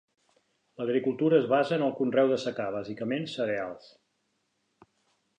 L'agricultura es basa en el conreu de secà, bàsicament cereals.